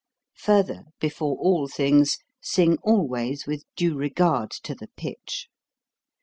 Further, before all things, sing always with due regard to the pitch.